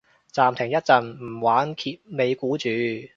暫停一陣唔玩揭尾故住